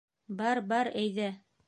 Бар, бар әйҙә!